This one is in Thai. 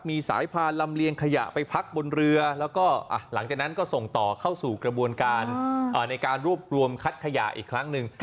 มีสายพานลำเลียงขยะไปพักบนเรือแล้วก็หลังจากนั้นก็ส่งต่อเข้าสู่กระบวนการในการรวบรวมคัดขยะอีกครั้งหนึ่ง